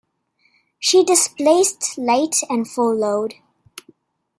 She displaced light and full load.